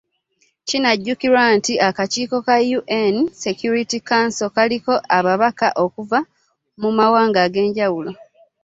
Kinajjukirwa nti akakiiko ka ‘UN Security Council' kaliko ababaka okuva mu mawanga ag'enjawulo